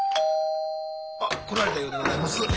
あっ来られたようでございます。